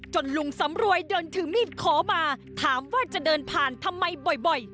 ลุงสำรวยเดินถือมีดขอมาถามว่าจะเดินผ่านทำไมบ่อย